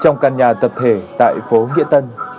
nhà tập thể tại phố nghĩa tân